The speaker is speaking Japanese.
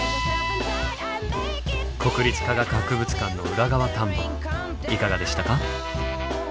国立科学博物館の裏側探訪いかがでしたか？